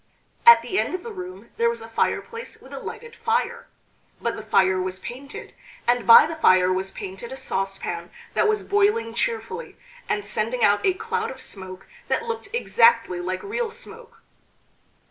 At the end of the room there was a fireplace with a lighted fire; but the fire was painted, and by the fire was painted a saucepan that was boiling cheerfully, and sending out a cloud of smoke that looked exactly like real smoke.